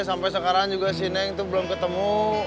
sampai sekarang juga si neng itu belum ketemu